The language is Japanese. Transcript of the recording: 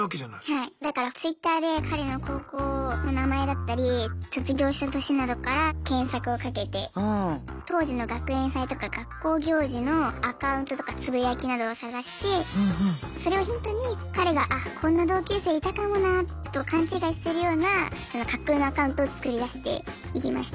だからＴｗｉｔｔｅｒで彼の高校の名前だったり卒業した年などから検索をかけて当時の学園祭とか学校行事のアカウントとかつぶやきなどを探してそれをヒントに彼があっこんな同級生いたかもなと勘違いするような架空のアカウントを作り出していきました。